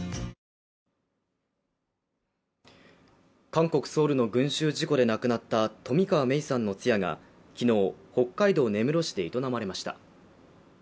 韓国ソウルの群集事故で亡くなった冨川芽生さんの通夜が、昨日北海道根室市で営まれました。